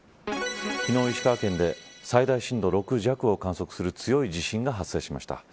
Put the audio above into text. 昨日、石川県で最大震度６弱を観測する強い地震が発生しました。